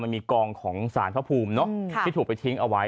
มันมีกองของศาลภพภูมิที่ถูกไปทิ้งเอาไว้